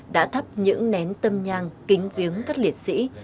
đã thắp những nén tâm nhang kính viếng các liệt sĩ